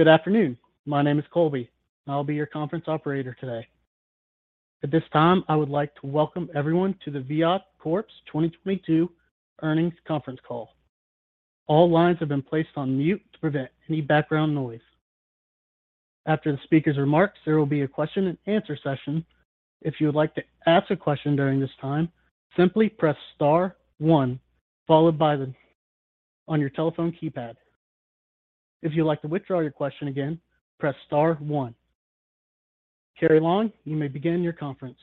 Good afternoon. My name is Colby. I'll be your conference operator today. At this time, I would like to welcome everyone to the Viad Corp's 2022 earnings conference call. All lines have been placed on mute to prevent any background noise. After the speaker's remarks, there will be a question and answer session. If you would like to ask a question during this time, simply press star one followed by the one on your telephone keypad. If you'd like to withdraw your question again, press star one. Carrie Long, you may begin your conference.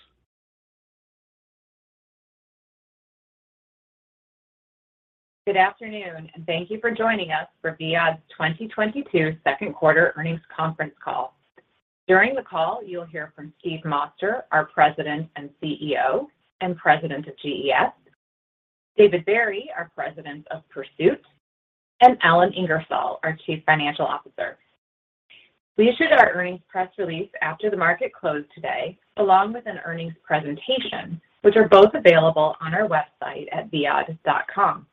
Good afternoon, and thank you for joining us for Viad's 2022 Second Quarter Earnings Conference Call. During the call, you'll hear from Steve Moster, our President and CEO and President of GES, David Barry, our President of Pursuit, and Ellen Ingersoll, our Chief Financial Officer. We issued our earnings press release after the market closed today, along with an earnings presentation, which are both available on our website at viad.com.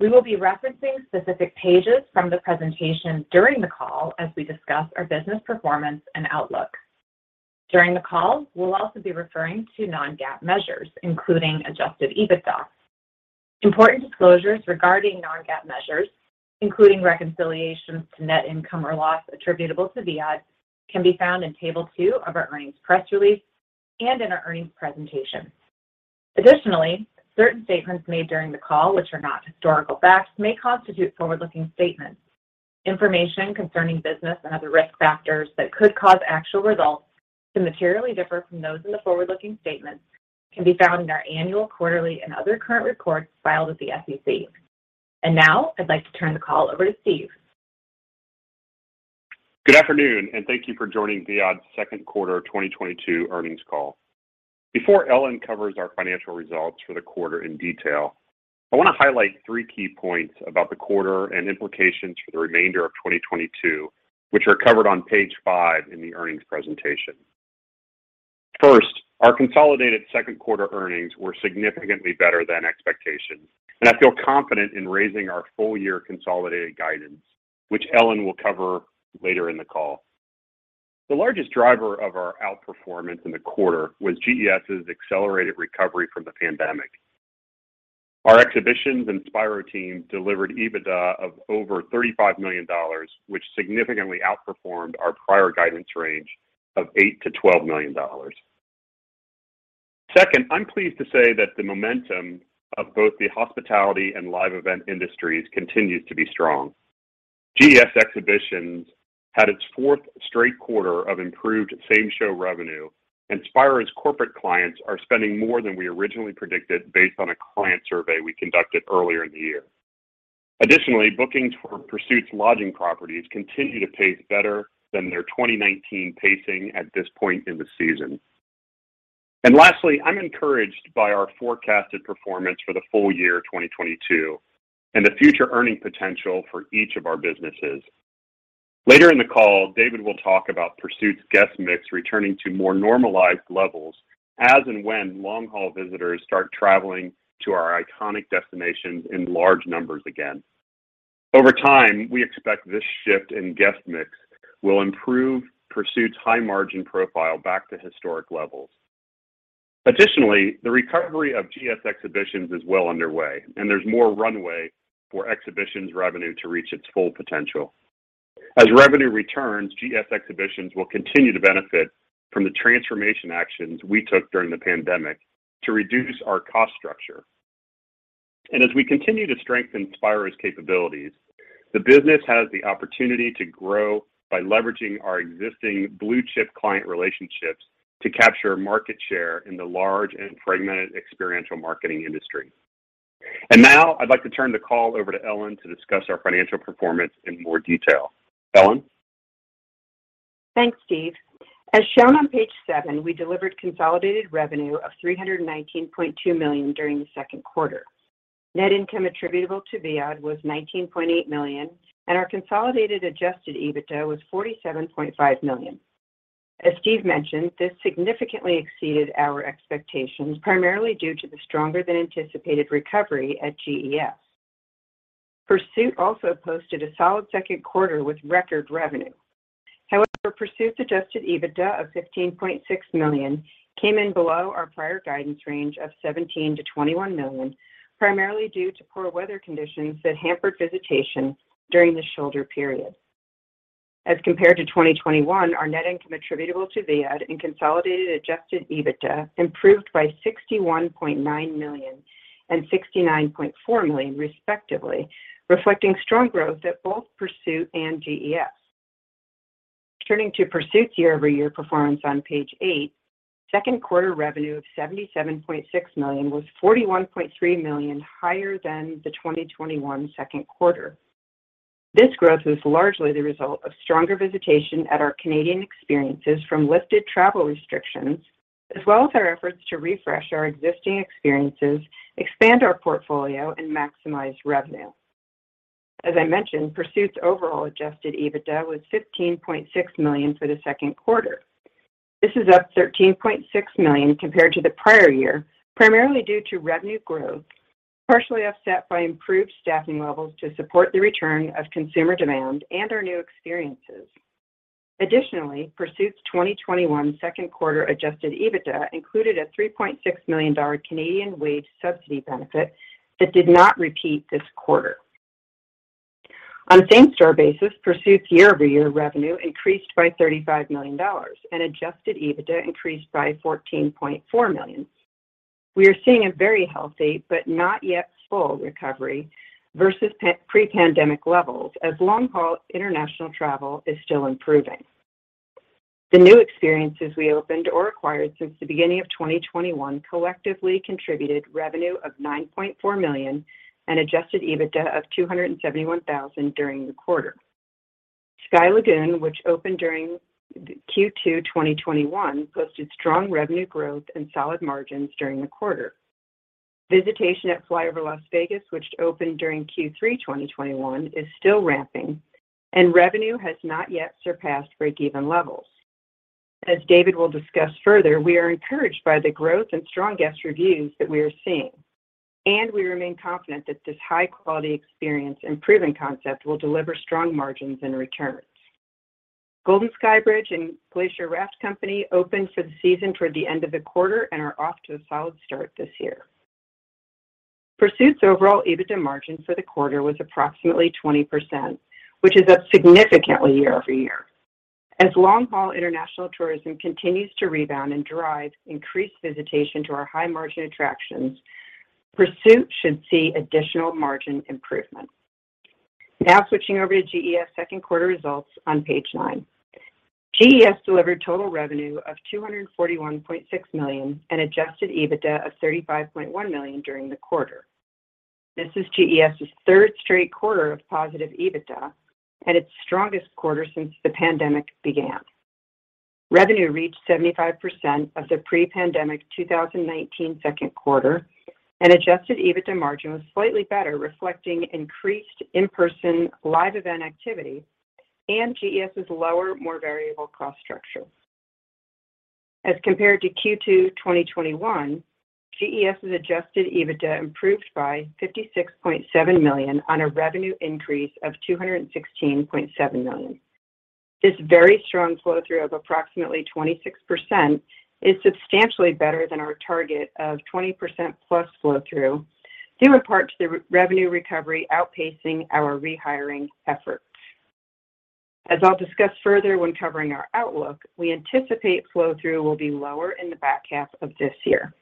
We will be referencing specific pages from the presentation during the call as we discuss our business performance and outlook. During the call, we'll also be referring to non-GAAP measures, including adjusted EBITDA. Important disclosures regarding non-GAAP measures, including reconciliations to net income or loss attributable to Viad, can be found in table two of our earnings press release and in our earnings presentation. Additionally, certain statements made during the call which are not historical facts may constitute forward-looking statements. Information concerning business and other risk factors that could cause actual results to materially differ from those in the forward-looking statements can be found in our annual, quarterly, and other current reports filed with the SEC. Now, I'd like to turn the call over to Steve. Good afternoon, and thank you for joining Viad's second quarter 2022 earnings call. Before Ellen covers our financial results for the quarter in detail, I wanna highlight three key points about the quarter and implications for the remainder of 2022, which are covered on page five in the earnings presentation. First, our consolidated second quarter earnings were significantly better than expectations, and I feel confident in raising our full year consolidated guidance, which Ellen will cover later in the call. The largest driver of our outperformance in the quarter was GES's accelerated recovery from the pandemic. Our exhibitions and Spiro team delivered EBITDA of over $35 million, which significantly outperformed our prior guidance range of $8 million-$12 million. Second, I'm pleased to say that the momentum of both the hospitality and live event industries continues to be strong. GES Exhibitions had its fourth straight quarter of improved same show revenue, and Spiro's corporate clients are spending more than we originally predicted based on a client survey we conducted earlier in the year. Additionally, bookings for Pursuit's lodging properties continue to pace better than their 2019 pacing at this point in the season. Lastly, I'm encouraged by our forecasted performance for the full year 2022 and the future earning potential for each of our businesses. Later in the call, David will talk about Pursuit's guest mix returning to more normalized levels as and when long-haul visitors start traveling to our iconic destinations in large numbers again. Over time, we expect this shift in guest mix will improve Pursuit's high margin profile back to historic levels. Additionally, the recovery of GES Exhibitions is well underway, and there's more runway for exhibitions revenue to reach its full potential. As revenue returns, GES Exhibitions will continue to benefit from the transformation actions we took during the pandemic to reduce our cost structure. As we continue to strengthen Spiro's capabilities, the business has the opportunity to grow by leveraging our existing blue chip client relationships to capture market share in the large and fragmented experiential marketing industry. Now I'd like to turn the call over to Ellen to discuss our financial performance in more detail. Ellen. Thanks, Steve. As shown on page seven, we delivered consolidated revenue of $319.2 million during the second quarter. Net income attributable to Viad was $19.8 million, and our consolidated adjusted EBITDA was $47.5 million. As Steve mentioned, this significantly exceeded our expectations, primarily due to the stronger than anticipated recovery at GES. Pursuit also posted a solid second quarter with record revenue. However, Pursuit's adjusted EBITDA of $15.6 million came in below our prior guidance range of $17 million-$21 million, primarily due to poor weather conditions that hampered visitation during the shoulder period. As compared to 2021, our net income attributable to Viad and consolidated adjusted EBITDA improved by $61.9 million and $69.4 million respectively, reflecting strong growth at both Pursuit and GES. Turning to Pursuit's year-over-year performance on page eight, second quarter revenue of $77.6 million was $41.3 million higher than the 2021 second quarter. This growth was largely the result of stronger visitation at our Canadian experiences from lifted travel restrictions, as well as our efforts to refresh our existing experiences, expand our portfolio, and maximize revenue. As I mentioned, Pursuit's overall adjusted EBITDA was $15.6 million for the second quarter. This is up $13.6 million compared to the prior year, primarily due to revenue growth, partially offset by improved staffing levels to support the return of consumer demand and our new experiences. Additionally, Pursuit's 2021 second quarter adjusted EBITDA included a CAD $3.6 million Canadian wage subsidy benefit that did not repeat this quarter. On same-store basis, Pursuit's year-over-year revenue increased by $35 million and adjusted EBITDA increased by $14.4 million. We are seeing a very healthy but not yet full recovery versus pre-pandemic levels as long-haul international travel is still improving. The new experiences we opened or acquired since the beginning of 2021 collectively contributed revenue of $9.4 million and adjusted EBITDA of $271,000 during the quarter. Sky Lagoon, which opened during Q2 2021, posted strong revenue growth and solid margins during the quarter. Visitation at FlyOver Las Vegas, which opened during Q3 2021, is still ramping and revenue has not yet surpassed break-even levels. As David will discuss further, we are encouraged by the growth and strong guest reviews that we are seeing, and we remain confident that this high-quality experience and proven concept will deliver strong margins and returns. Golden Skybridge and Glacier Raft Company opened for the season toward the end of the quarter and are off to a solid start this year. Pursuit's overall EBITDA margin for the quarter was approximately 20%, which is up significantly year-over-year. As long-haul international tourism continues to rebound and drive increased visitation to our high-margin attractions, Pursuit should see additional margin improvement. Now switching over to GES second quarter results on page nine. GES delivered total revenue of $241.6 million and adjusted EBITDA of $35.1 million during the quarter. This is GES's third straight quarter of positive EBITDA and its strongest quarter since the pandemic began. Revenue reached 75% of the pre-pandemic 2019 second quarter, and adjusted EBITDA margin was slightly better, reflecting increased in-person live event activity and GES's lower, more variable cost structure. As compared to Q2 2021, GES's adjusted EBITDA improved by $56.7 million on a revenue increase of $216.7 million. This very strong flow-through of approximately 26% is substantially better than our target of 20%+ flow-through, due in part to the revenue recovery outpacing our rehiring efforts. As I'll discuss further when covering our outlook, we anticipate flow-through will be lower in the back half of this year.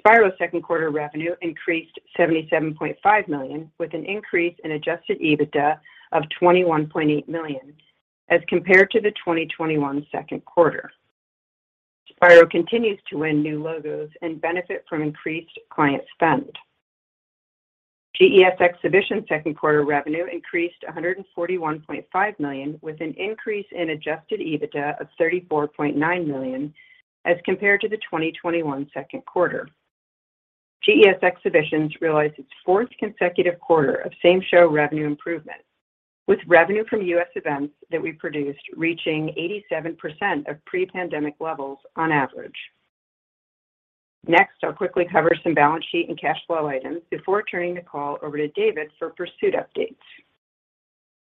Spiro's second quarter revenue increased $77.5 million, with an increase in adjusted EBITDA of $21.8 million as compared to the 2021 second quarter. Spiro continues to win new logos and benefit from increased client spend. GES Exhibition second quarter revenue increased $141.5 million, with an increase in adjusted EBITDA of $34.9 million as compared to the 2021 second quarter. GES Exhibitions realized its fourth consecutive quarter of same show revenue improvement, with revenue from U.S. events that we produced reaching 87% of pre-pandemic levels on average. Next, I'll quickly cover some balance sheet and cash flow items before turning the call over to David for Pursuit updates.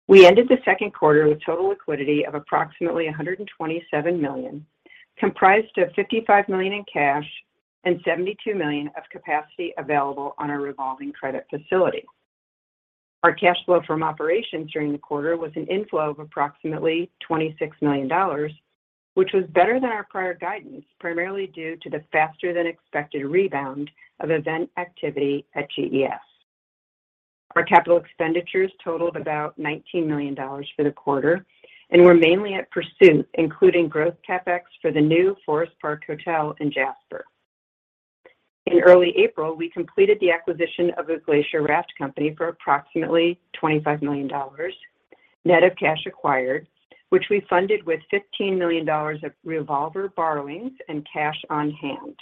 We ended the second quarter with total liquidity of approximately $127 million, comprised of $55 million in cash and $72 million of capacity available on our revolving credit facility. Our cash flow from operations during the quarter was an inflow of approximately $26 million, which was better than our prior guidance, primarily due to the faster than expected rebound of event activity at GES. Our capital expenditures totaled about $19 million for the quarter and were mainly at Pursuit, including growth CapEx for the new Forest Park Hotel in Jasper. In early April, we completed the acquisition of the Glacier Raft Company for approximately $25 million, net of cash acquired, which we funded with $15 million of revolver borrowings and cash on hand.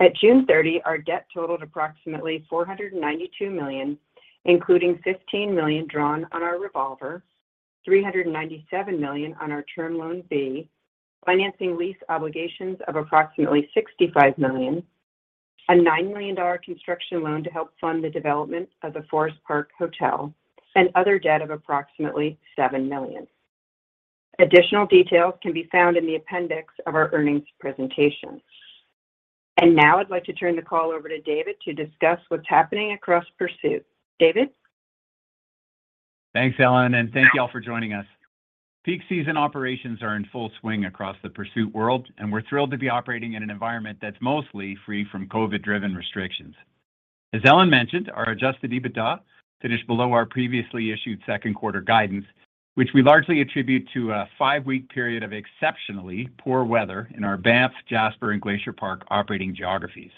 At June 30, our debt totaled approximately $492 million, including $15 million drawn on our revolver, $397 million on our Term Loan B, financing lease obligations of approximately $65 million, a $9 million construction loan to help fund the development of the Forest Park Hotel, and other debt of approximately $7 million. Additional details can be found in the appendix of our earnings presentation. Now I'd like to turn the call over to David to discuss what's happening across Pursuit. David? Thanks, Ellen, and thank you all for joining us. Peak season operations are in full swing across the Pursuit world, and we're thrilled to be operating in an environment that's mostly free from COVID-driven restrictions. As Ellen mentioned, our adjusted EBITDA finished below our previously issued second quarter guidance, which we largely attribute to a five-week period of exceptionally poor weather in our Banff, Jasper, and Glacier Park operating geographies.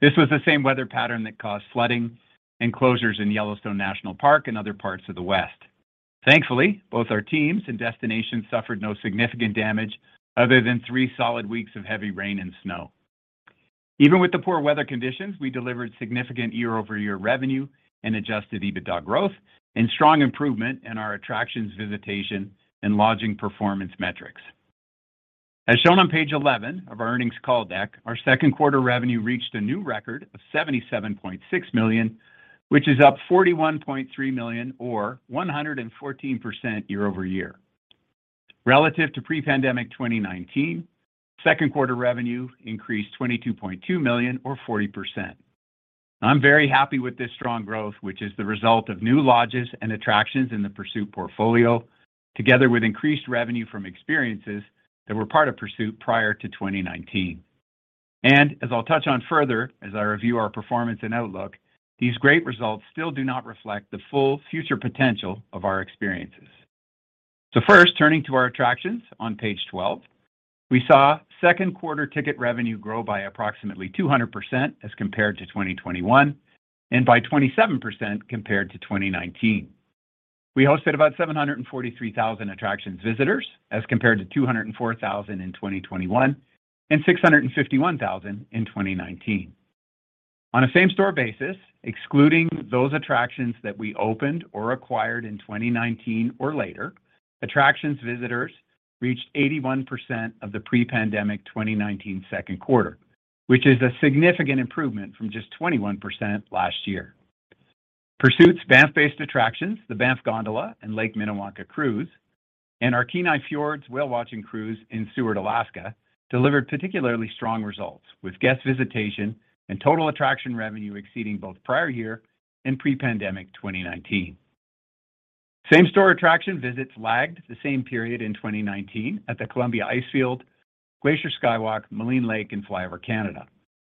This was the same weather pattern that caused flooding and closures in Yellowstone National Park and other parts of the West. Thankfully, both our teams and destinations suffered no significant damage other than three solid weeks of heavy rain and snow. Even with the poor weather conditions, we delivered significant year-over-year revenue and adjusted EBITDA growth and strong improvement in our attractions visitation and lodging performance metrics. As shown on page 11 of our earnings call deck, our second quarter revenue reached a new record of $77.6 million, which is up $41.3 million or 114% year-over-year. Relative to pre-pandemic 2019, second quarter revenue increased $22.2 million or 40%. I'm very happy with this strong growth, which is the result of new lodges and attractions in the Pursuit portfolio, together with increased revenue from experiences that were part of Pursuit prior to 2019. As I'll touch on further as I review our performance and outlook, these great results still do not reflect the full future potential of our experiences. First, turning to our attractions on page 12, we saw second quarter ticket revenue grow by approximately 200% as compared to 2021 and by 27% compared to 2019. We hosted about 743,000 attractions visitors as compared to 204,000 in 2021 and 651,000 in 2019. On a same-store basis, excluding those attractions that we opened or acquired in 2019 or later, attractions visitors reached 81% of the pre-pandemic 2019 second quarter, which is a significant improvement from just 21% last year. Pursuit's Banff-based attractions, the Banff Gondola and Lake Minnewanka Cruise, and our Kenai Fjords Whale Watching Cruise in Seward, Alaska, delivered particularly strong results, with guest visitation and total attraction revenue exceeding both prior year and pre-pandemic 2019. Same-store attraction visits lagged the same period in 2019 at the Columbia Icefield, Glacier Skywalk, Maligne Lake, and FlyOver Canada.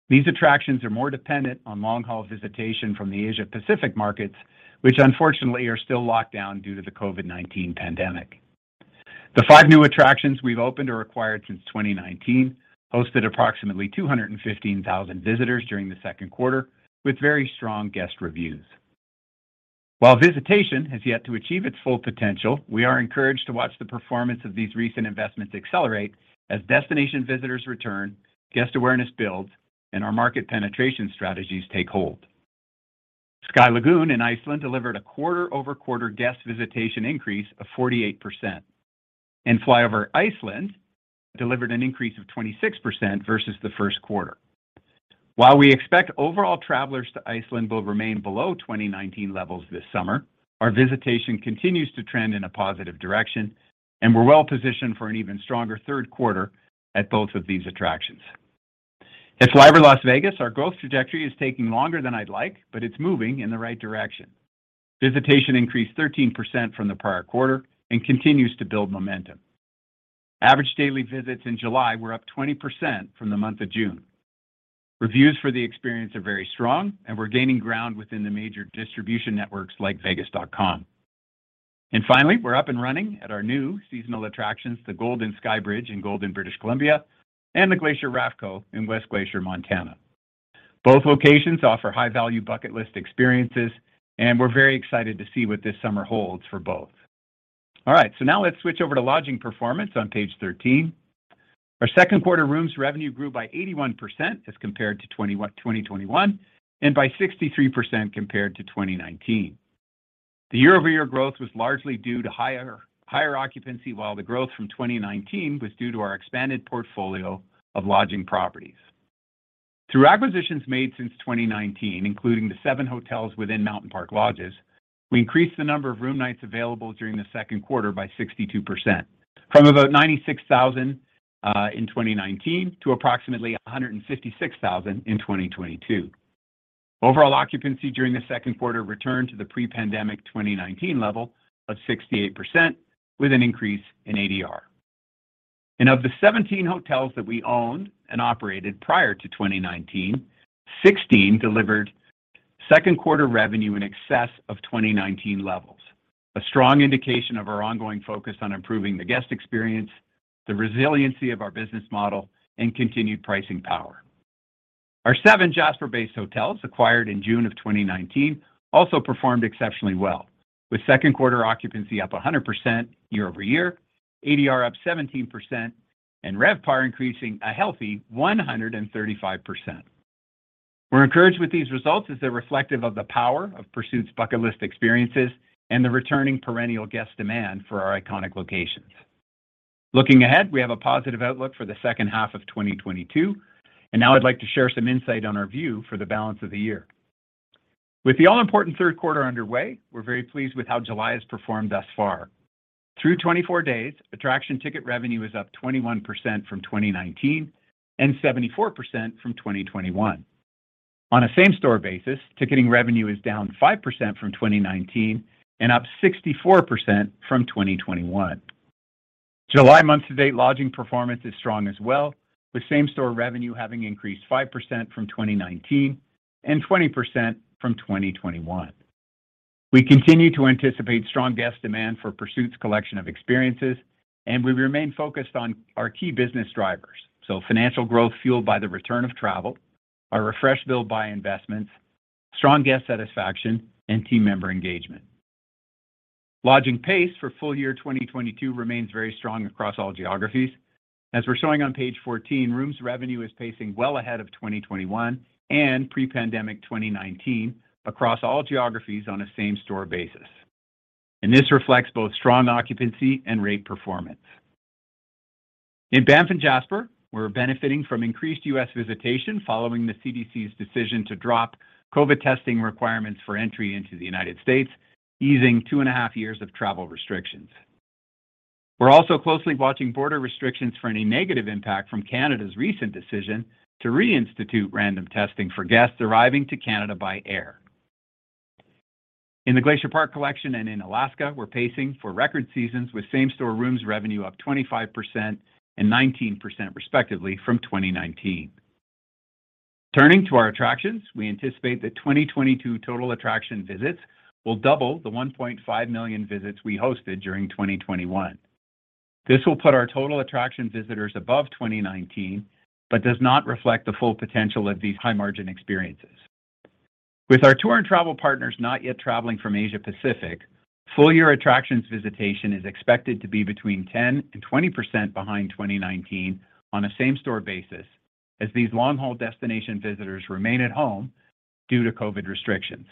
These attractions are more dependent on long-haul visitation from the Asia-Pacific markets, which unfortunately are still locked down due to the COVID-19 pandemic. The five new attractions we've opened or acquired since 2019 hosted approximately 215,000 visitors during the second quarter with very strong guest reviews. While visitation has yet to achieve its full potential, we are encouraged to watch the performance of these recent investments accelerate as destination visitors return, guest awareness builds, and our market penetration strategies take hold. Sky Lagoon in Iceland delivered a quarter-over-quarter guest visitation increase of 48%. At FlyOver Iceland delivered an increase of 26% versus the first quarter. While we expect overall travelers to Iceland will remain below 2019 levels this summer, our visitation continues to trend in a positive direction, and we're well-positioned for an even stronger third quarter at both of these attractions. At FlyOver Las Vegas, our growth trajectory is taking longer than I'd like, but it's moving in the right direction. Visitation increased 13% from the prior quarter and continues to build momentum. Average daily visits in July were up 20% from the month of June. Reviews for the experience are very strong, and we're gaining ground within the major distribution networks like vegas.com. Finally, we're up and running at our new seasonal attractions, the Golden Skybridge in Golden, British Columbia, and the Glacier Raft Co. in West Glacier, Montana. Both locations offer high-value bucket list experiences, and we're very excited to see what this summer holds for both. All right, now let's switch over to lodging performance on page 13. Our second quarter rooms revenue grew by 81% as compared to 2021 and by 63% compared to 2019. The year-over-year growth was largely due to higher occupancy, while the growth from 2019 was due to our expanded portfolio of lodging properties. Through acquisitions made since 2019, including the seven hotels within Mountain Park Lodges, we increased the number of room nights available during the second quarter by 62% from about 96,000 in 2019 to approximately 156,000 in 2022. Overall occupancy during the second quarter returned to the pre-pandemic 2019 level of 68% with an increase in ADR. Of the 17 hotels that we owned and operated prior to 2019, 16 delivered second quarter revenue in excess of 2019 levels. A strong indication of our ongoing focus on improving the guest experience, the resiliency of our business model, and continued pricing power. Our seven Jasper-based hotels acquired in June of 2019 also performed exceptionally well, with second quarter occupancy up 100% year-over-year, ADR up 17%, and RevPAR increasing a healthy 135%. We're encouraged with these results as they're reflective of the power of Pursuit's bucket list experiences and the returning perennial guest demand for our iconic locations. Looking ahead, we have a positive outlook for the second half of 2022, and now I'd like to share some insight on our view for the balance of the year. With the all-important third quarter underway, we're very pleased with how July has performed thus far. Through 24 days, attraction ticket revenue is up 21% from 2019 and 74% from 2021. On a same-store basis, ticketing revenue is down 5% from 2019 and up 64% from 2021. July month to date lodging performance is strong as well, with same-store revenue having increased 5% from 2019 and 20% from 2021. We continue to anticipate strong guest demand for Pursuit's collection of experiences, and we remain focused on our key business drivers. Financial growth fueled by the return of travel, our refresh, build, buy investments, strong guest satisfaction, and team member engagement. Lodging pace for full year 2022 remains very strong across all geographies. As we're showing on page 14, rooms revenue is pacing well ahead of 2021 and pre-pandemic 2019 across all geographies on a same-store basis. This reflects both strong occupancy and rate performance. In Banff and Jasper, we're benefiting from increased U.S. visitation following the CDC's decision to drop COVID testing requirements for entry into the United States, easing two and a half years of travel restrictions. We're also closely watching border restrictions for any negative impact from Canada's recent decision to reinstitute random testing for guests arriving to Canada by air. In the Glacier Park Collection and in Alaska, we're pacing for record seasons with same-store rooms revenue up 25% and 19% respectively from 2019. Turning to our attractions, we anticipate that 2022 total attraction visits will double the 1.5 million visits we hosted during 2021. This will put our total attraction visitors above 2019, but does not reflect the full potential of these high-margin experiences. With our tour and travel partners not yet traveling from Asia-Pacific, full-year attractions visitation is expected to be between 10%-20% behind 2019 on a same-store basis as these long-haul destination visitors remain at home due to COVID restrictions.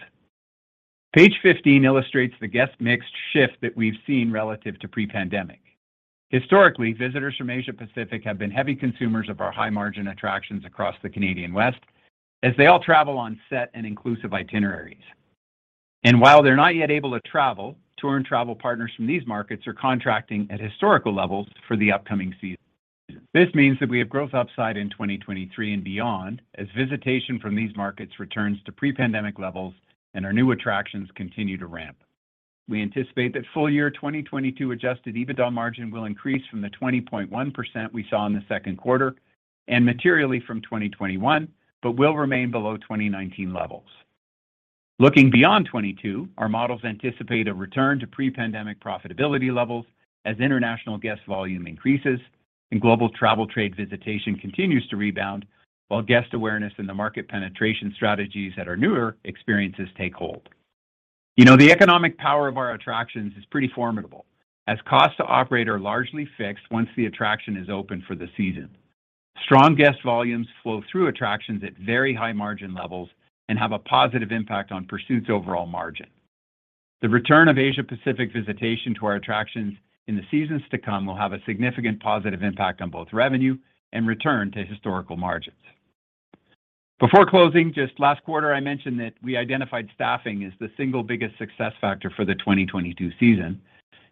Page 15 illustrates the guest mix shift that we've seen relative to pre-pandemic. Historically, visitors from Asia-Pacific have been heavy consumers of our high margin attractions across the Canadian West as they all travel on set and inclusive itineraries. While they're not yet able to travel, tour and travel partners from these markets are contracting at historical levels for the upcoming season. This means that we have growth upside in 2023 and beyond as visitation from these markets returns to pre-pandemic levels and our new attractions continue to ramp. We anticipate that full year 2022 adjusted EBITDA margin will increase from the 20.1% we saw in the second quarter and materially from 2021, but will remain below 2019 levels. Looking beyond 2022, our models anticipate a return to pre-pandemic profitability levels as international guest volume increases and global travel trade visitation continues to rebound while guest awareness in the market penetration strategies at our newer experiences take hold. You know, the economic power of our attractions is pretty formidable as costs to operate are largely fixed once the attraction is open for the season. Strong guest volumes flow through attractions at very high margin levels and have a positive impact on Pursuit's overall margin. The return of Asia-Pacific visitation to our attractions in the seasons to come will have a significant positive impact on both revenue and return to historical margins. Before closing, just last quarter I mentioned that we identified staffing as the single biggest success factor for the 2022 season,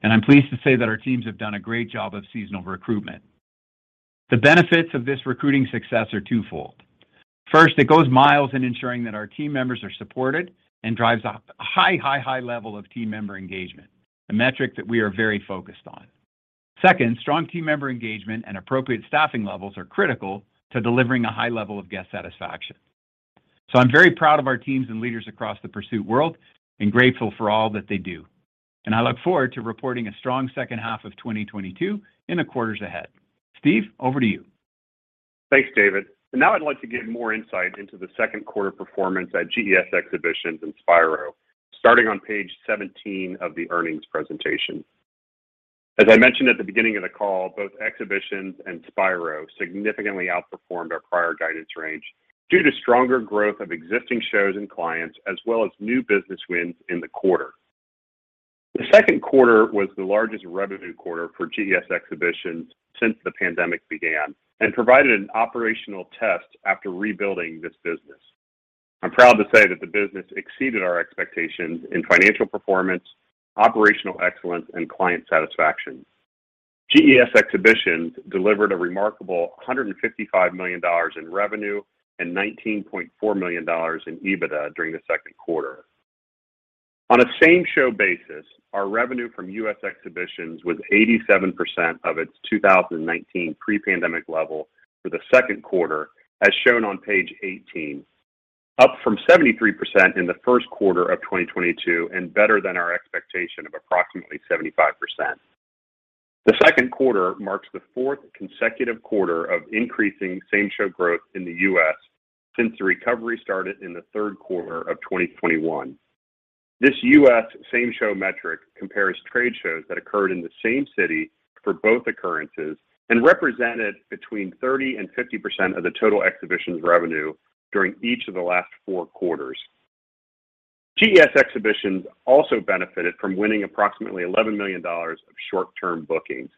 and I'm pleased to say that our teams have done a great job of seasonal recruitment. The benefits of this recruiting success are twofold. First, it goes miles in ensuring that our team members are supported and drives up a high level of team member engagement, a metric that we are very focused on. Second, strong team member engagement and appropriate staffing levels are critical to delivering a high level of guest satisfaction. I'm very proud of our teams and leaders across the Pursuit world and grateful for all that they do, and I look forward to reporting a strong second half of 2022 in the quarters ahead. Steve, over to you. Thanks, David. Now I'd like to give more insight into the second quarter performance at GES Exhibitions and Spiro, starting on page 17 of the earnings presentation. As I mentioned at the beginning of the call, both Exhibitions and Spiro significantly outperformed our prior guidance range due to stronger growth of existing shows and clients, as well as new business wins in the quarter. The second quarter was the largest revenue quarter for GES Exhibitions since the pandemic began and provided an operational test after rebuilding this business. I'm proud to say that the business exceeded our expectations in financial performance, operational excellence, and client satisfaction. GES Exhibitions delivered a remarkable $155 million in revenue and $19.4 million in EBITDA during the second quarter. On a same-show basis, our revenue from U.S. Exhibitions was 87% of its 2019 pre-pandemic level for the second quarter, as shown on page 18. Up from 73% in the first quarter of 2022 and better than our expectation of approximately 75%. The second quarter marks the fourth consecutive quarter of increasing same-show growth in the U.S. since the recovery started in the third quarter of 2021. This U.S. same-show metric compares trade shows that occurred in the same city for both occurrences and represented between 30% and 50% of the total exhibitions revenue during each of the last four quarters. GES Exhibitions also benefited from winning approximately $11 million of short-term bookings.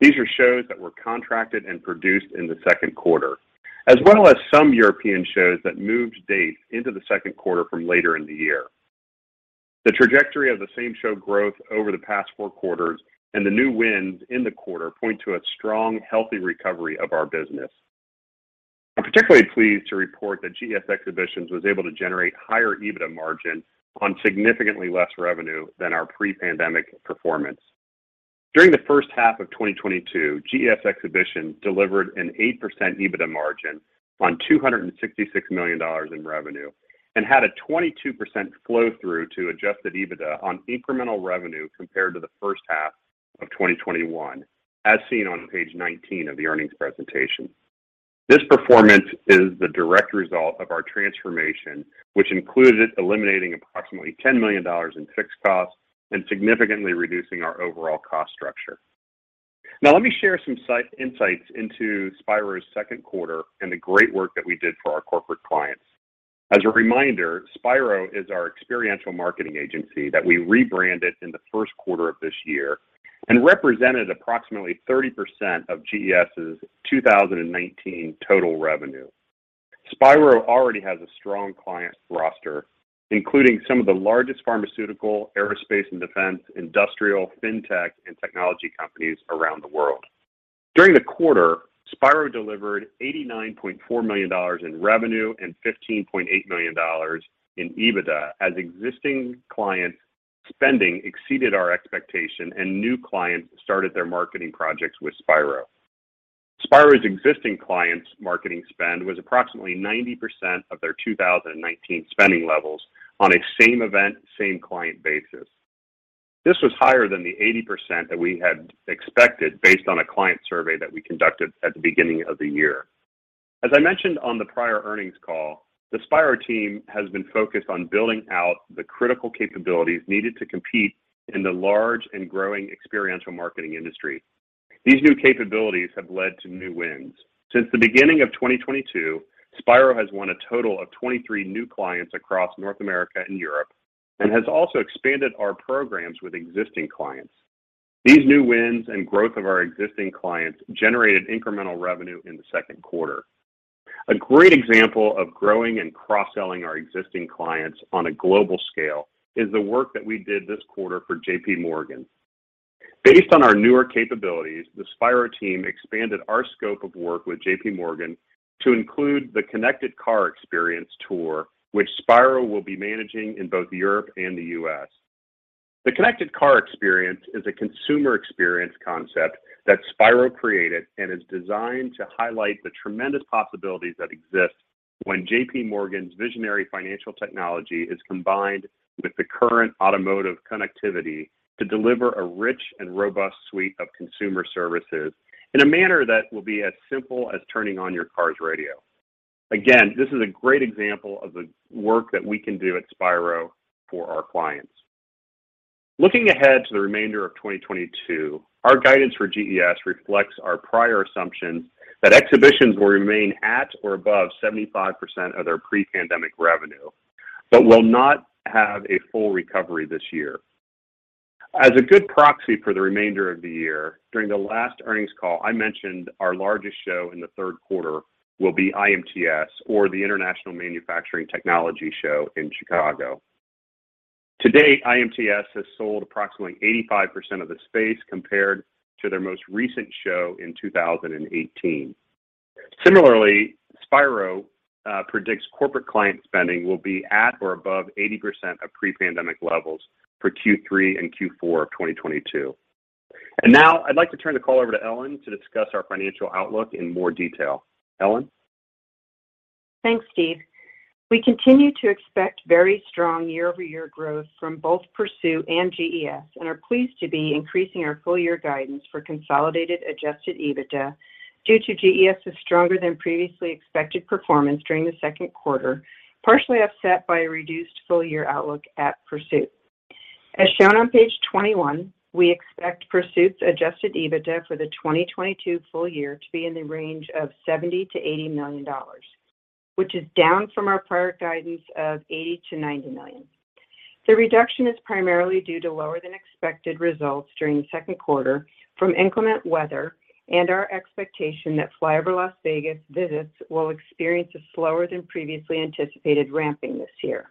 These are shows that were contracted and produced in the second quarter, as well as some European shows that moved dates into the second quarter from later in the year. The trajectory of the same-show growth over the past four quarters and the new wins in the quarter point to a strong, healthy recovery of our business. I'm particularly pleased to report that GES Exhibitions was able to generate higher EBITDA margin on significantly less revenue than our pre-pandemic performance. During the first half of 2022, GES Exhibitions delivered an 8% EBITDA margin on $266 million in revenue and had a 22% flow-through to adjusted EBITDA on incremental revenue compared to the first half of 2021, as seen on page 19 of the earnings presentation. This performance is the direct result of our transformation, which included eliminating approximately $10 million in fixed costs and significantly reducing our overall cost structure. Now let me share some insights into Spiro's second quarter and the great work that we did for our corporate clients. As a reminder, Spiro is our experiential marketing agency that we rebranded in the first quarter of this year and represented approximately 30% of GES' 2019 total revenue. Spiro already has a strong client roster, including some of the largest pharmaceutical, aerospace and defense, industrial, fintech, and technology companies around the world. During the quarter, Spiro delivered $89.4 million in revenue and $15.8 million in EBITDA as existing clients spending exceeded our expectation and new clients started their marketing projects with Spiro. Spiro's existing clients' marketing spend was approximately 90% of their 2019 spending levels on a same event, same client basis. This was higher than the 80% that we had expected based on a client survey that we conducted at the beginning of the year. As I mentioned on the prior earnings call, the Spiro team has been focused on building out the critical capabilities needed to compete in the large and growing experiential marketing industry. These new capabilities have led to new wins. Since the beginning of 2022, Spiro has won a total of 23 new clients across North America and Europe and has also expanded our programs with existing clients. These new wins and growth of our existing clients generated incremental revenue in the second quarter. A great example of growing and cross-selling our existing clients on a global scale is the work that we did this quarter for JPMorgan. Based on our newer capabilities, the Spiro team expanded our scope of work with JPMorgan to include the Connected Car Experience Tour, which Spiro will be managing in both Europe and the U.S. The Connected Car Experience is a consumer experience concept that Spiro created and is designed to highlight the tremendous possibilities that exist when JPMorgan's visionary financial technology is combined with the current automotive connectivity to deliver a rich and robust suite of consumer services in a manner that will be as simple as turning on your car's radio. Again, this is a great example of the work that we can do at Spiro for our clients. Looking ahead to the remainder of 2022, our guidance for GES reflects our prior assumptions that exhibitions will remain at or above 75% of their pre-pandemic revenue, but will not have a full recovery this year. As a good proxy for the remainder of the year, during the last earnings call, I mentioned our largest show in the third quarter will be IMTS, or the International Manufacturing Technology Show in Chicago. To date, IMTS has sold approximately 85% of the space compared to their most recent show in 2018. Similarly, Spiro predicts corporate client spending will be at or above 80% of pre-pandemic levels for Q3 and Q4 of 2022. Now I'd like to turn the call over to Ellen to discuss our financial outlook in more detail. Ellen? Thanks, Steve. We continue to expect very strong year-over-year growth from both Pursuit and GES and are pleased to be increasing our full year guidance for consolidated adjusted EBITDA due to GES' stronger than previously expected performance during the second quarter, partially offset by a reduced full year outlook at Pursuit. As shown on page 21, we expect Pursuit's adjusted EBITDA for the 2022 full year to be in the range of $70 million-$80 million, which is down from our prior guidance of $80 million-$90 million. The reduction is primarily due to lower than expected results during the second quarter from inclement weather and our expectation that FlyOver Las Vegas visits will experience a slower than previously anticipated ramping this year.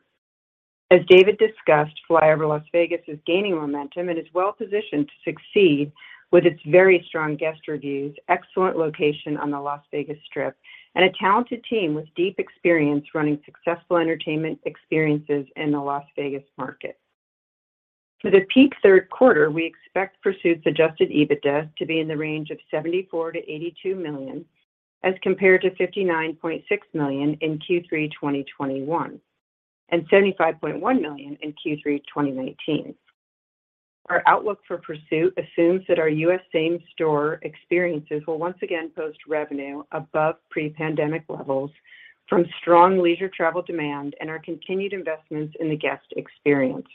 As David discussed, FlyOver Las Vegas is gaining momentum and is well-positioned to succeed with its very strong guest reviews, excellent location on the Las Vegas Strip, and a talented team with deep experience running successful entertainment experiences in the Las Vegas market. For the peak third quarter, we expect Pursuit's adjusted EBITDA to be in the range of $74 million-$82 million, as compared to $59.6 million in Q3 2021, and $75.1 million in Q3 2019. Our outlook for Pursuit assumes that our U.S. Same store experiences will once again post revenue above pre-pandemic levels from strong leisure travel demand and our continued investments in the guest experience.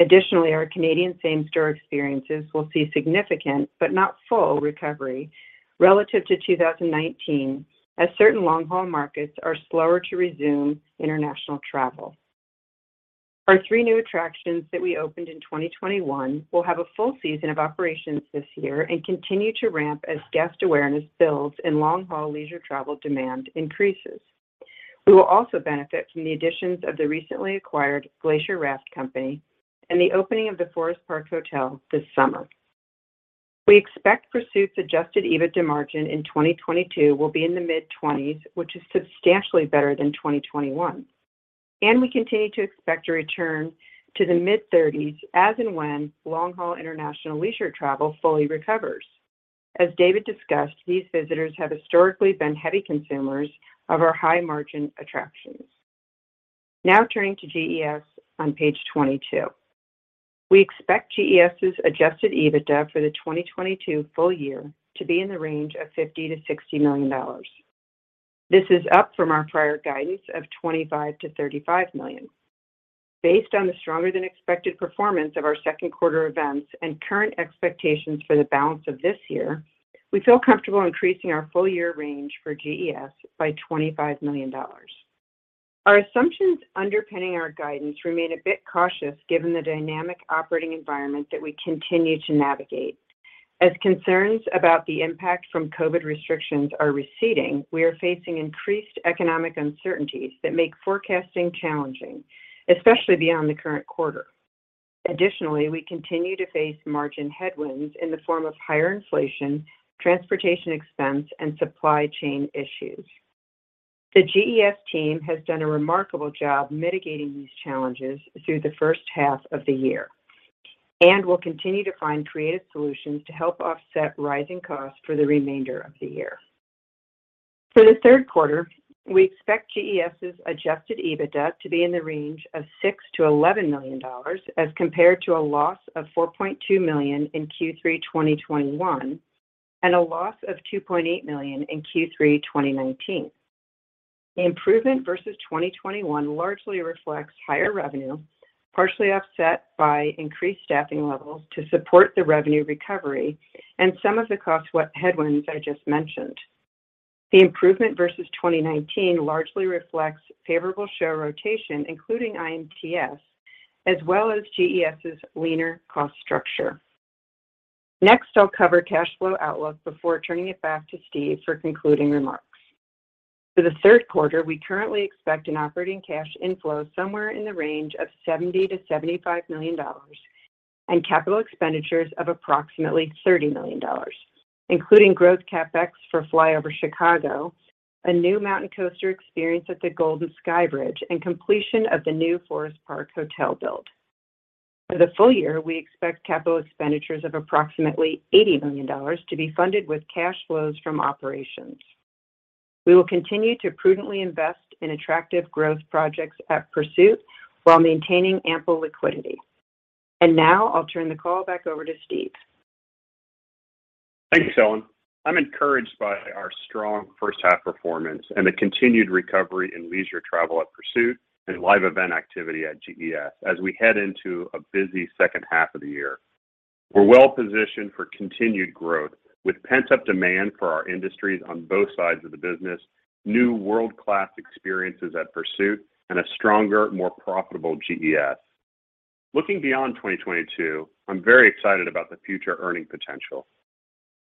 Additionally, our Canadian same store experiences will see significant but not full recovery relative to 2019 as certain long-haul markets are slower to resume international travel. Our three new attractions that we opened in 2021 will have a full season of operations this year and continue to ramp as guest awareness builds and long-haul leisure travel demand increases. We will also benefit from the additions of the recently acquired Glacier Raft Company and the opening of the Forest Park Hotel this summer. We expect Pursuit's adjusted EBITDA margin in 2022 will be in the mid-20s, which is substantially better than 2021. We continue to expect a return to the mid-30s as and when long-haul international leisure travel fully recovers. As David discussed, these visitors have historically been heavy consumers of our high-margin attractions. Now turning to GES on page 22. We expect GES's adjusted EBITDA for the 2022 full year to be in the range of $50 million-$60 million. This is up from our prior guidance of $25 million-$35 million. Based on the stronger than expected performance of our second quarter events and current expectations for the balance of this year, we feel comfortable increasing our full year range for GES by $25 million. Our assumptions underpinning our guidance remain a bit cautious given the dynamic operating environment that we continue to navigate. As concerns about the impact from COVID restrictions are receding, we are facing increased economic uncertainties that make forecasting challenging, especially beyond the current quarter. Additionally, we continue to face margin headwinds in the form of higher inflation, transportation expense, and supply chain issues. The GES team has done a remarkable job mitigating these challenges through the first half of the year and will continue to find creative solutions to help offset rising costs for the remainder of the year. For the third quarter, we expect GES's adjusted EBITDA to be in the range of $6 million-$11 million as compared to a loss of $4.2 million in Q3 2021 and a loss of $2.8 million in Q3 2019. The improvement versus 2021 largely reflects higher revenue, partially offset by increased staffing levels to support the revenue recovery and some of the cost headwinds I just mentioned. The improvement versus 2019 largely reflects favorable share rotation, including IMTS, as well as GES's leaner cost structure. Next, I'll cover cash flow outlook before turning it back to Steve for concluding remarks. For the third quarter, we currently expect an operating cash inflow somewhere in the range of $70 million-$75 million and capital expenditures of approximately $30 million, including growth CapEx for FlyOver Chicago, a new mountain coaster experience at the Golden Skybridge, and completion of the new Forest Park Hotel build. For the full year, we expect capital expenditures of approximately $80 million to be funded with cash flows from operations. We will continue to prudently invest in attractive growth projects at Pursuit while maintaining ample liquidity. Now I'll turn the call back over to Steve. Thank you, Ellen. I'm encouraged by our strong first half performance and the continued recovery in leisure travel at Pursuit and live event activity at GES as we head into a busy second half of the year. We're well positioned for continued growth with pent-up demand for our industries on both sides of the business, new world-class experiences at Pursuit, and a stronger, more profitable GES. Looking beyond 2022, I'm very excited about the future earning potential.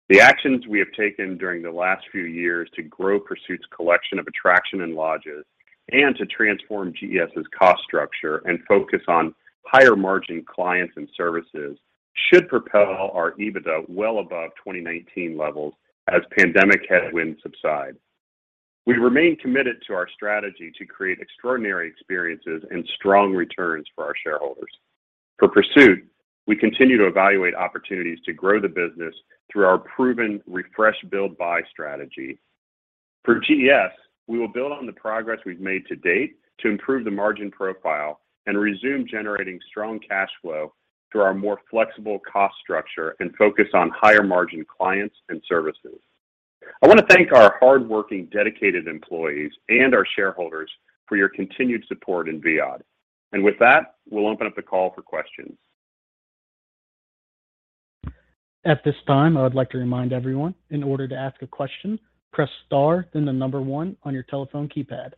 The actions we have taken during the last few years to grow Pursuit's collection of attractions and lodges and to transform GES's cost structure and focus on higher margin clients and services should propel our EBITDA well above 2019 levels as pandemic headwinds subside. We remain committed to our strategy to create extraordinary experiences and strong returns for our shareholders. For Pursuit, we continue to evaluate opportunities to grow the business through our proven refresh, build, buy strategy. For GES, we will build on the progress we've made to date to improve the margin profile and resume generating strong cash flow through our more flexible cost structure and focus on higher margin clients and services. I wanna thank our hardworking, dedicated employees and our shareholders for your continued support in Viad. With that, we'll open up the call for questions. At this time, I would like to remind everyone in order to ask a question, press star, then the number one on your telephone keypad.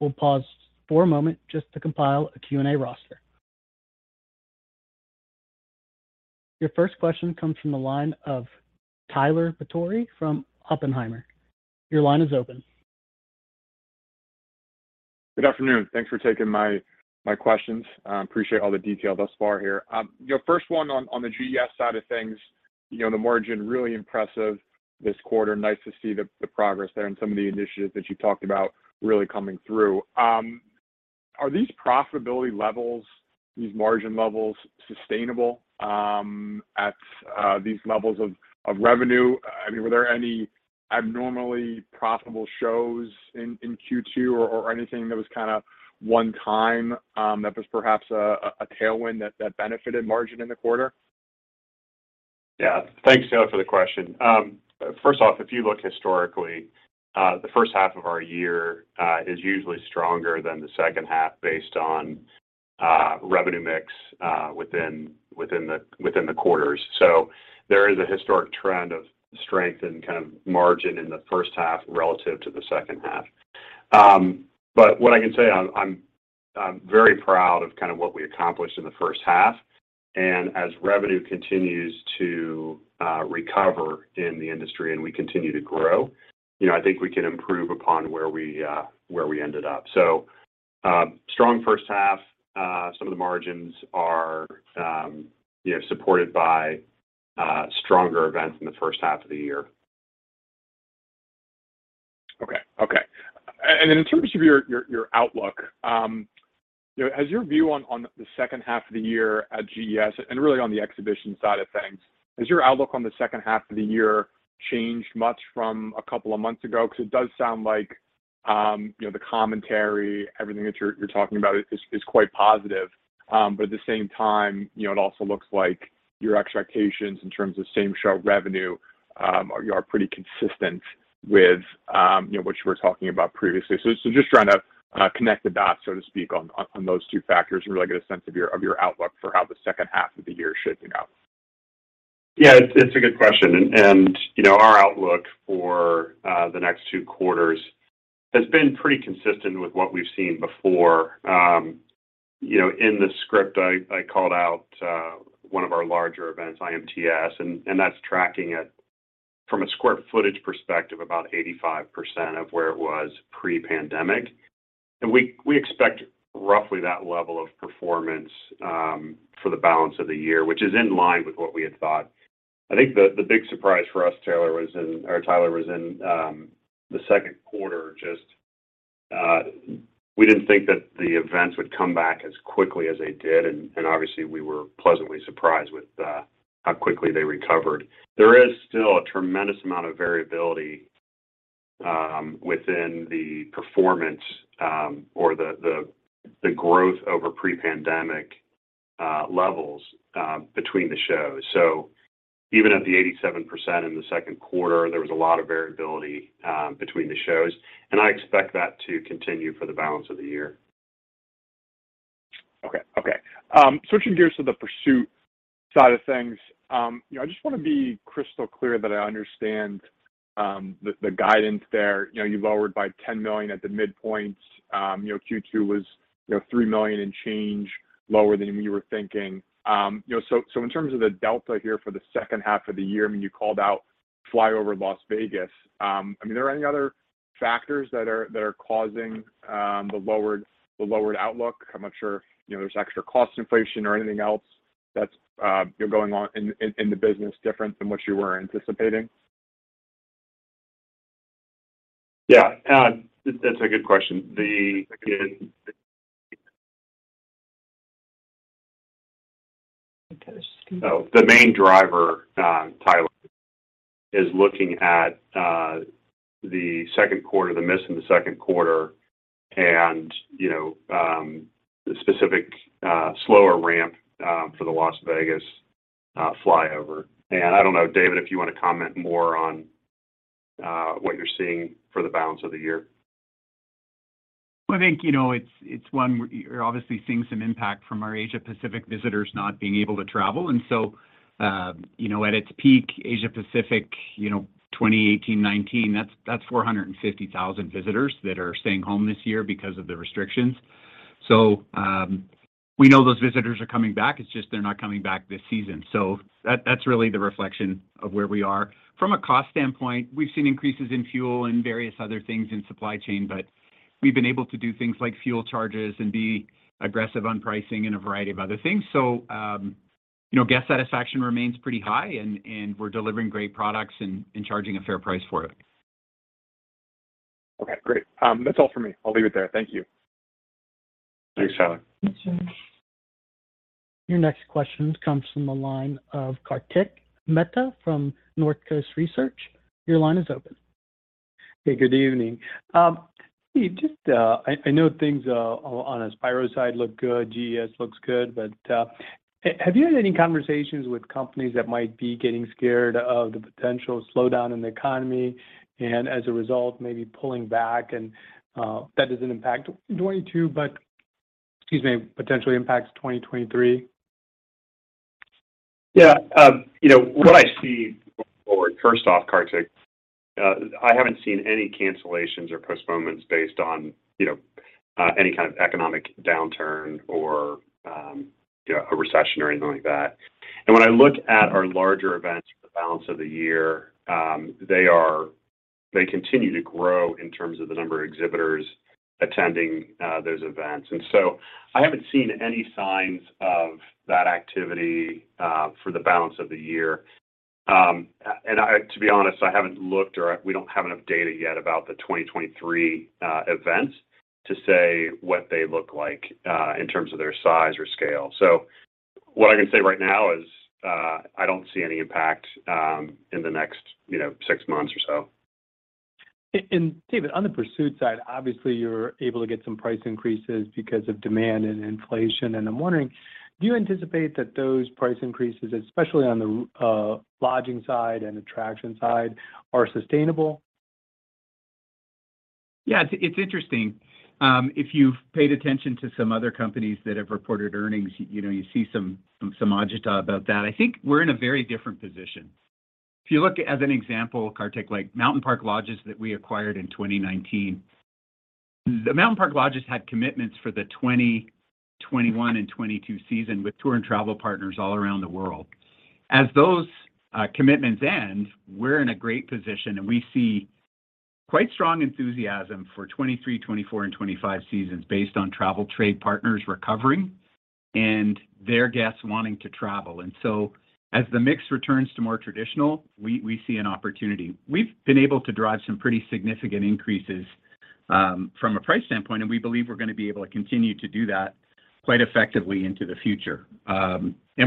We'll pause for a moment just to compile a Q&A roster. Your first question comes from the line of Tyler Batory from Oppenheimer. Your line is open. Good afternoon. Thanks for taking my questions. Appreciate all the detail thus far here. You know, first one on the GES side of things. You know, the margin, really impressive this quarter. Nice to see the progress there and some of the initiatives that you talked about really coming through. Are these profitability levels, these margin levels sustainable at these levels of revenue? I mean, were there any abnormally profitable shows in Q2 or anything that was kinda one time that was perhaps a tailwind that benefited margin in the quarter? Yeah. Thanks, Tyler, for the question. First off, if you look historically, the first half of our year is usually stronger than the second half based on revenue mix within the quarters. There is a historic trend of strength and kind of margin in the first half relative to the second half. What I can say, I'm very proud of what we accomplished in the first half. As revenue continues to recover in the industry and we continue to grow, you know, I think we can improve upon where we ended up. Strong first half. Some of the margins are, you know, supported by stronger events in the first half of the year. Okay. And in terms of your outlook, you know, has your view on the second half of the year at GES and really on the exhibition side of things, has your outlook on the second half of the year changed much from a couple of months ago? 'Cause it does sound like, you know, the commentary, everything that you're talking about is quite positive. At the same time, you know, it also looks like your expectations in terms of same-store revenue are pretty consistent with, you know, what you were talking about previously. Just trying to connect the dots so to speak on those two factors and really get a sense of your outlook for how the second half of the year is shaping up. Yeah. It's a good question. You know, our outlook for the next two quarters has been pretty consistent with what we've seen before. You know, in the script, I called out one of our larger events, IMTS, and that's tracking at, from a square footage perspective, about 85% of where it was pre-pandemic. We expect roughly that level of performance for the balance of the year, which is in line with what we had thought. I think the big surprise for us, Tyler, was in the second quarter. We didn't think that the events would come back as quickly as they did, and obviously we were pleasantly surprised with how quickly they recovered. There is still a tremendous amount of variability within the performance or the growth over pre-pandemic levels between the shows. Even at the 87% in the second quarter, there was a lot of variability between the shows, and I expect that to continue for the balance of the year. Okay. Switching gears to the Pursuit side of things, you know, I just wanna be crystal clear that I understand the guidance there. You know, you lowered by $10 million at the midpoint. You know, Q2 was $3 million and change lower than you were thinking. You know, so in terms of the delta here for the second half of the year, I mean, you called out FlyOver Las Vegas. I mean, are there any other factors that are causing the lowered outlook? I'm not sure, you know, there's extra cost inflation or anything else that's you know, going on in the business different than what you were anticipating. Yeah. That's a good question. The main driver, Tyler, is looking at the second quarter, the miss in the second quarter and, you know, the specific slower ramp for the FlyOver Las Vegas. I don't know, David, if you wanna comment more on what you're seeing for the balance of the year. I think, you know, it's one we're obviously seeing some impact from our Asia Pacific visitors not being able to travel. I think, you know, at its peak, Asia Pacific, you know, 2018, 2019, that's 450,000 visitors that are staying home this year because of the restrictions. We know those visitors are coming back. It's just they're not coming back this season. That's really the reflection of where we are. From a cost standpoint, we've seen increases in fuel and various other things in supply chain, but we've been able to do things like fuel charges and be aggressive on pricing and a variety of other things. I think, you know, guest satisfaction remains pretty high and we're delivering great products and charging a fair price for it. Okay, great. That's all for me. I'll leave it there. Thank you. Thanks, Tyler. Your next question comes from the line of Kartik Mehta from Northcoast Research. Your line is open. Hey, good evening. Steve, just, I know things on the Spiro side look good. GES looks good. Have you had any conversations with companies that might be getting scared of the potential slowdown in the economy and as a result, maybe pulling back and that doesn't impact 2022, but, excuse me, potentially impacts 2023? Yeah. You know, what I see going forward, first off, Kartik, I haven't seen any cancellations or postponements based on, you know, any kind of economic downturn or, you know, a recession or anything like that. When I look at our larger events for the balance of the year, they continue to grow in terms of the number of exhibitors attending, those events. I haven't seen any signs of that activity, for the balance of the year. To be honest, I haven't looked or we don't have enough data yet about the 2023, events to say what they look like, in terms of their size or scale. What I can say right now is, I don't see any impact, in the next, you know, six months or so. David, on the Pursuit side, obviously you're able to get some price increases because of demand and inflation. I'm wondering, do you anticipate that those price increases, especially on the lodging side and attraction side, are sustainable? Yeah, it's interesting. If you've paid attention to some other companies that have reported earnings, you know, you see some agita about that. I think we're in a very different position. If you look at an example, Kartik, like Mountain Park Lodges that we acquired in 2019. The Mountain Park Lodges had commitments for the 2021 and 2022 season with tour and travel partners all around the world. As those commitments end, we're in a great position, and we see quite strong enthusiasm for 2023, 2024, and 2025 seasons based on travel trade partners recovering and their guests wanting to travel. As the mix returns to more traditional, we see an opportunity. We've been able to drive some pretty significant increases from a price standpoint, and we believe we're going to be able to continue to do that quite effectively into the future.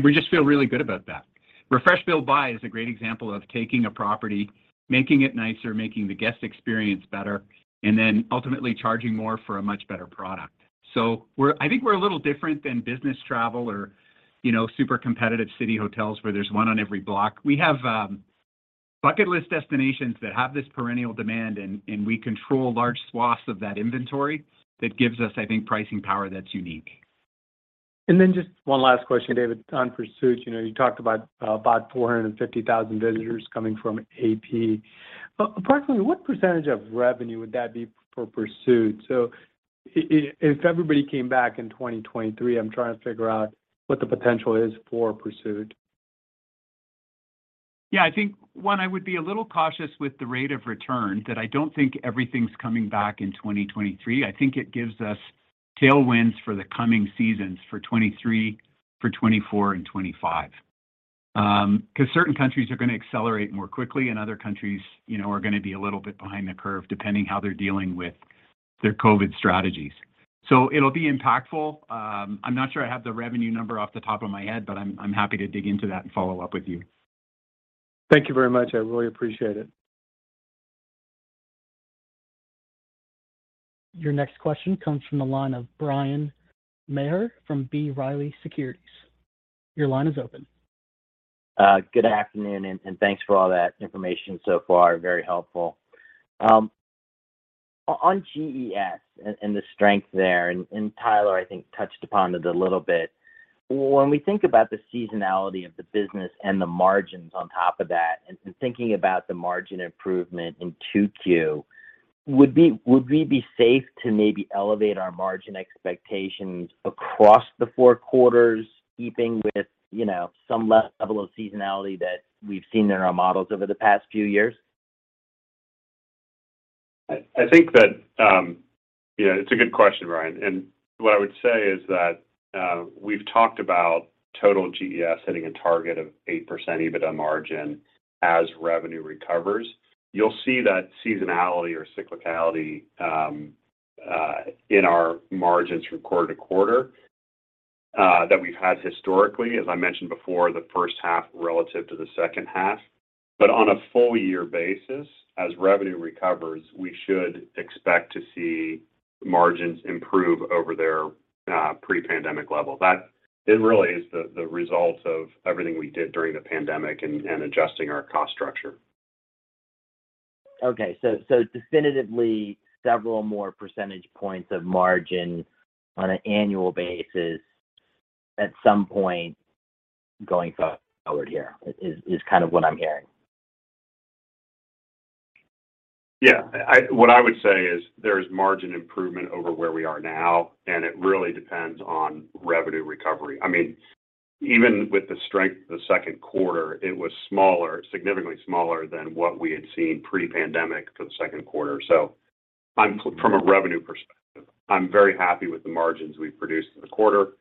We just feel really good about that. Refresh, build, buy is a great example of taking a property, making it nicer, making the guest experience better, and then ultimately charging more for a much better product. We're I think we're a little different than business travel or, you know, super competitive city hotels where there's one on every block. We have bucket list destinations that have this perennial demand, and we control large swaths of that inventory. That gives us, I think, pricing power that's unique. Just one last question, David, on Pursuit. You know, you talked about about 450,000 visitors coming from AP. Approximately what percentage of revenue would that be for Pursuit? If everybody came back in 2023, I'm trying to figure out what the potential is for Pursuit. Yeah, I think, one, I would be a little cautious with the rate of return, that I don't think everything's coming back in 2023. I think it gives us tailwinds for the coming seasons for 2023, for 2024 and 2025. Because certain countries are going to accelerate more quickly, and other countries, you know, are going to be a little bit behind the curve, depending how they're dealing with their COVID strategies. It'll be impactful. I'm not sure I have the revenue number off the top of my head, but I'm happy to dig into that and follow up with you. Thank you very much. I really appreciate it. Your next question comes from the line of Bryan Maher from B. Riley Securities. Your line is open. Good afternoon, and thanks for all that information so far. Very helpful. On GES and the strength there, and Tyler, I think, touched upon it a little bit. When we think about the seasonality of the business and the margins on top of that, and thinking about the margin improvement in 2Q, would we be safe to maybe elevate our margin expectations across the four quarters, keeping with, you know, some level of seasonality that we've seen in our models over the past few years? I think that yeah, it's a good question, Bryan. What I would say is that we've talked about total GES hitting a target of 8% EBITDA margin as revenue recovers. You'll see that seasonality or cyclicality in our margins from quarter to quarter that we've had historically, as I mentioned before, the first half relative to the second half. On a full year basis, as revenue recovers, we should expect to see margins improve over their pre-pandemic level. It really is the result of everything we did during the pandemic and adjusting our cost structure. Definitively several more percentage points of margin on an annual basis at some point going forward here is kind of what I'm hearing. Yeah. What I would say is there's margin improvement over where we are now, and it really depends on revenue recovery. I mean, even with the strength of the second quarter, it was smaller, significantly smaller than what we had seen pre-pandemic for the second quarter. From a revenue perspective, I'm very happy with the margins we've produced in the quarter,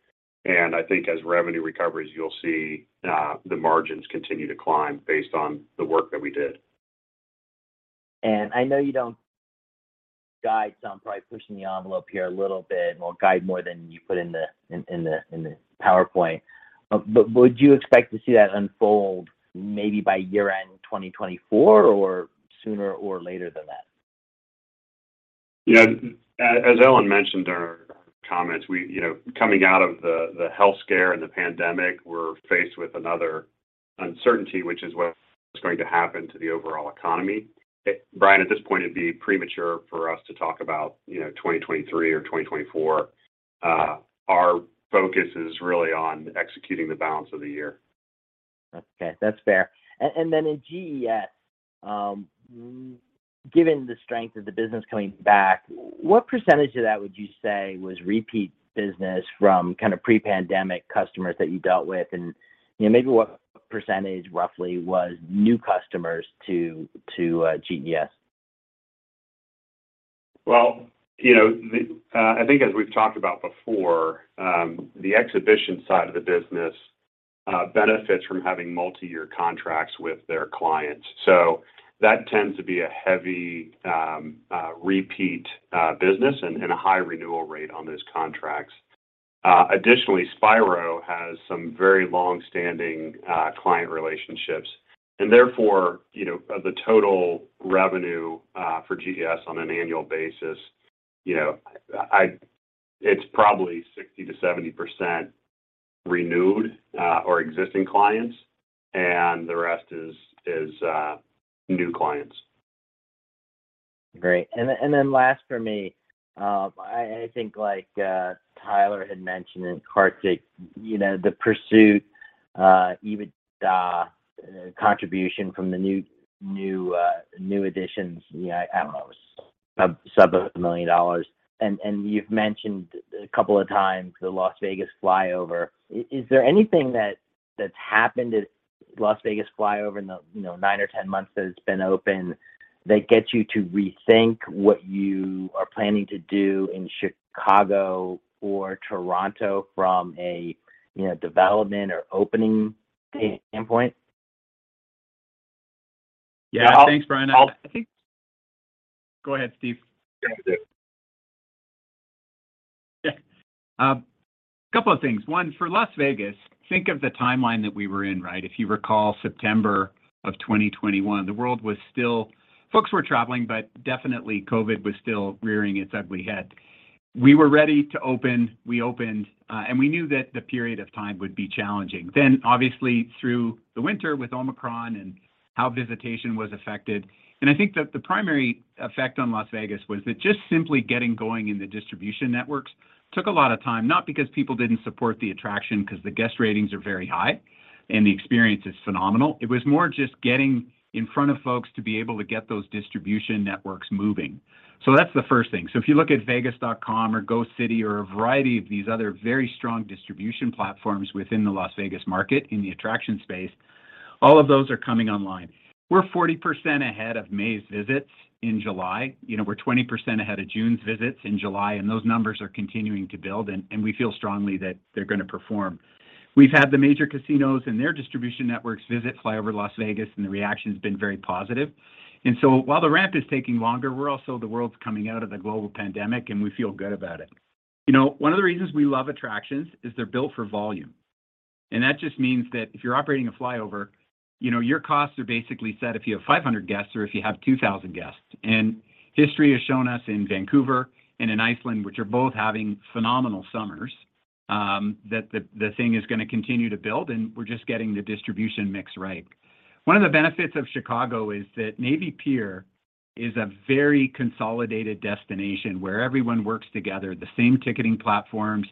and I think as revenue recovers, you'll see the margins continue to climb based on the work that we did. I know you don't guide, so I'm probably pushing the envelope here a little bit, more guidance more than you put in the PowerPoint. But would you expect to see that unfold maybe by year-end 2024 or sooner or later than that? You know, as Ellen mentioned in her comments, we, you know, coming out of the health scare and the pandemic, we're faced with another uncertainty, which is what's going to happen to the overall economy. Bryan, at this point, it'd be premature for us to talk about, you know, 2023 or 2024. Our focus is really on executing the balance of the year. Okay, that's fair. Then in GES, given the strength of the business coming back, what percentage of that would you say was repeat business from kind of pre-pandemic customers that you dealt with? You know, maybe what percentage roughly was new customers to GES? Well, you know, I think as we've talked about before, the exhibition side of the business benefits from having multiyear contracts with their clients. That tends to be a heavy repeat business and a high renewal rate on those contracts. Additionally, Spiro has some very long-standing client relationships, and therefore, you know, the total revenue for GES on an annual basis, you know, it's probably 60%-70% renewed or existing clients, and the rest is new clients. Great. Last for me, I think like Tyler had mentioned and Kartik, you know, the Pursuit EBITDA contribution from the new additions, you know, I don't know, sub $1 million. You've mentioned a couple of times the FlyOver Las Vegas. Is there anything that's happened at FlyOver Las Vegas in the, you know, nine or 10 months that it's been open that gets you to rethink what you are planning to do in Chicago or Toronto from a, you know, development or opening standpoint? Yeah. Thanks, Bryan. Go ahead, Steve. Yeah. Yeah. A couple of things. One, for Las Vegas, think of the timeline that we were in, right? If you recall September of 2021, the world was still. Folks were traveling, but definitely COVID was still rearing its ugly head. We were ready to open. We opened, and we knew that the period of time would be challenging. Obviously, through the winter with Omicron and how visitation was affected. I think that the primary effect on Las Vegas was that just simply getting going in the distribution networks took a lot of time, not because people didn't support the attraction, 'cause the guest ratings are very high and the experience is phenomenal. It was more just getting in front of folks to be able to get those distribution networks moving. That's the first thing. If you look at Vegas.com or Go City or a variety of these other very strong distribution platforms within the Las Vegas market in the attraction space, all of those are coming online. We're 40% ahead of May's visits in July. You know, we're 20% ahead of June's visits in July, and those numbers are continuing to build and we feel strongly that they're gonna perform. We've had the major casinos and their distribution networks visit FlyOver Las Vegas, and the reaction's been very positive. While the ramp is taking longer, we're also the world's coming out of the global pandemic, and we feel good about it. You know, one of the reasons we love attractions is they're built for volume. That just means that if you're operating a FlyOver, you know, your costs are basically set if you have 500 guests or if you have 2,000 guests. History has shown us in Vancouver and in Iceland, which are both having phenomenal summers, that the thing is gonna continue to build, and we're just getting the distribution mix right. One of the benefits of Chicago is that Navy Pier is a very consolidated destination where everyone works together, the same ticketing platforms.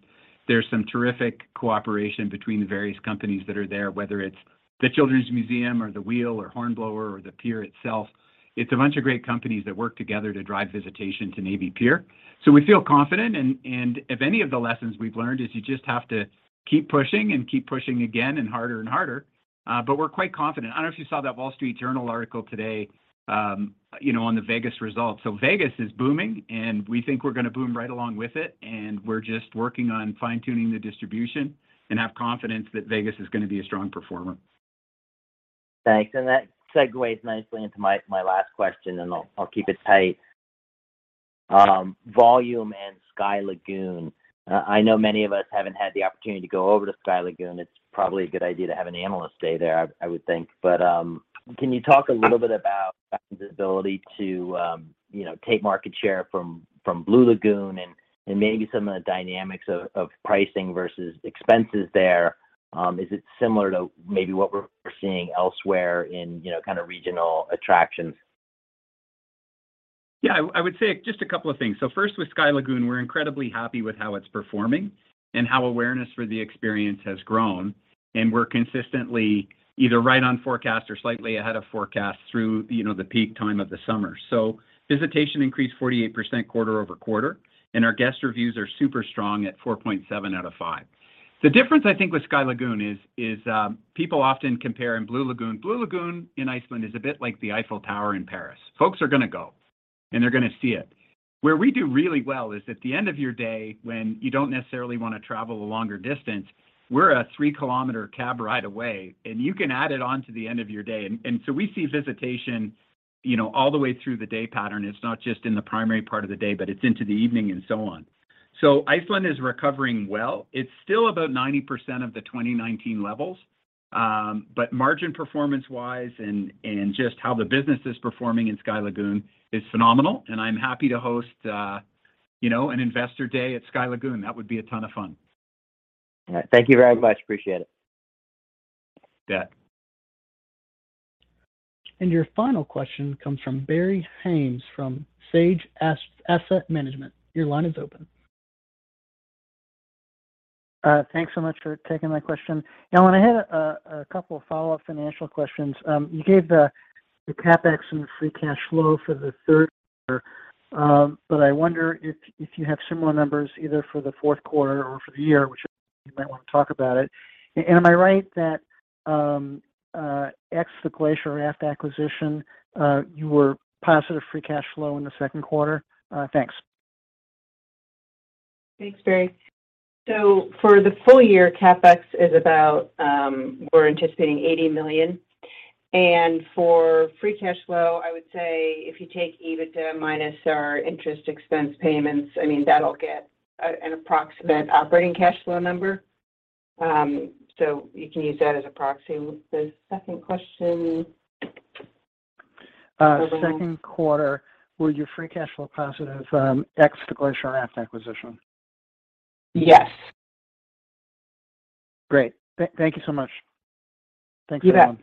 There's some terrific cooperation between the various companies that are there, whether it's the Children's Museum or the Wheel or Hornblower or the pier itself. It's a bunch of great companies that work together to drive visitation to Navy Pier. We feel confident and if any of the lessons we've learned is you just have to keep pushing and keep pushing again and harder and harder, but we're quite confident. I don't know if you saw that Wall Street Journal article today, you know, on the Vegas results. Vegas is booming, and we think we're gonna boom right along with it, and we're just working on fine-tuning the distribution and have confidence that Vegas is gonna be a strong performer. Thanks. That segues nicely into my last question, and I'll keep it tight. Volume and Sky Lagoon. I know many of us haven't had the opportunity to go over to Sky Lagoon. It's probably a good idea to have an analyst stay there, I would think. Can you talk a little bit about the ability to, you know, take market share from Blue Lagoon and maybe some of the dynamics of pricing versus expenses there? Is it similar to maybe what we're seeing elsewhere in, you know, kind of regional attractions? I would say just a couple of things. First with Sky Lagoon, we're incredibly happy with how it's performing and how awareness for the experience has grown, and we're consistently either right on forecast or slightly ahead of forecast through, you know, the peak time of the summer. Visitation increased 48% quarter-over-quarter, and our guest reviews are super strong at 4.7 out of 5. The difference I think with Sky Lagoon is people often compare it to Blue Lagoon. Blue Lagoon in Iceland is a bit like the Eiffel Tower in Paris. Folks are gonna go, and they're gonna see it. Where we do really well is at the end of your day when you don't necessarily wanna travel a longer distance, we're a three-kilometer cab ride away, and you can add it on to the end of your day. We see visitation, you know, all the way through the day pattern. It's not just in the primary part of the day, but it's into the evening and so on. Iceland is recovering well. It's still about 90% of the 2019 levels. But margin performance-wise and just how the business is performing in Sky Lagoon is phenomenal, and I'm happy to host, you know, an investor day at Sky Lagoon. That would be a ton of fun. All right. Thank you very much. Appreciate it. You bet. Your final question comes from Barry Haimes from Sage Asset Management. Your line is open. Thanks so much for taking my question. Now, I had a couple of follow-up financial questions. You gave the CapEx and the free cash flow for the third quarter, but I wonder if you have similar numbers either for the fourth quarter or for the year, which you might wanna talk about it. Am I right that, ex the Glacier Raft acquisition, you were positive free cash flow in the second quarter? Thanks. Thanks, Barry. For the full year, CapEx is about $80 million. For free cash flow, I would say if you take EBITDA minus our interest expense payments, I mean, that'll get an approximate operating cash flow number. You can use that as approximate. The second question... Second quarter, were you free cash flow positive, ex the Glacier Raft acquisition? Yes. Great. Thank you so much. Thanks, everyone. You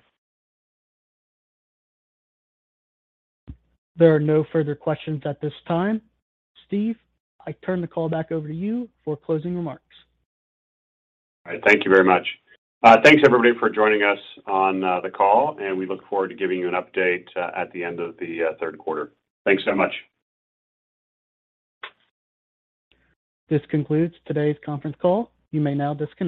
bet. There are no further questions at this time. Steve, I turn the call back over to you for closing remarks. All right. Thank you very much. Thanks everybody for joining us on the call, and we look forward to giving you an update at the end of the third quarter. Thanks so much. This concludes today's conference call. You may now disconnect.